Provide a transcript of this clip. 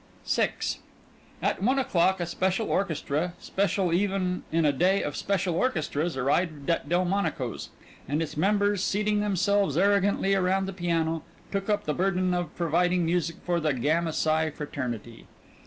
VI At one o'clock a special orchestra, special even in a day of special orchestras, arrived at Delmonico's, and its members, seating themselves arrogantly around the piano, took up the burden of providing music for the Gamma Psi Fraternity.